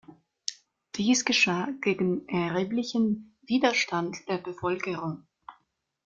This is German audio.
Dies geschah gegen erheblichen Widerstand der Bevölkerung.